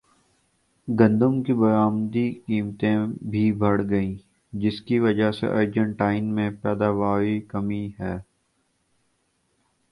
گندم کی برمدی قیمتیں بھی بڑھ گئیں جس کی وجہ سے ارجنٹائن میں پیداواری کمی ہے